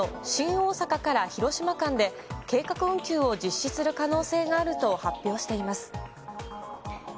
大阪から広島間で、計画運休を実施する可能性があると発表しています。